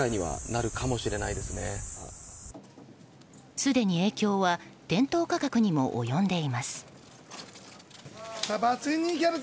すでに、影響は店頭価格にも及んでいます。